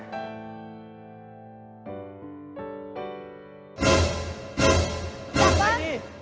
จำมั้ย